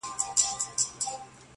تر مرګه مي په برخه دي کلونه د هجران-